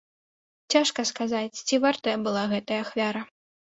Цяжка сказаць, ці вартая была гэтая ахвяра.